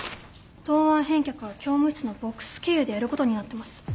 答案返却は教務室のボックス経由でやることになってます。